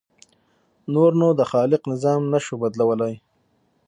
نور نو د خالق نظام نه شو بدلولی.